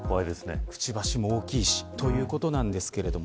くちばしも大きいし。ということなんですけれども。